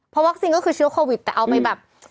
เพราะวัคซีนก็คือเชื้อโควิดแต่เอาไปแบบ